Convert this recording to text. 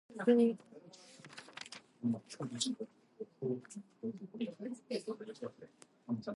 His son Alfred Cockayne also became a noted botanist.